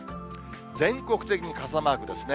全国的に傘マークですね。